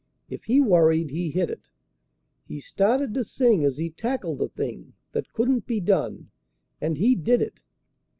If he worried he hid it. He started to sing as he tackled the thing That couldn't be done, and he did it.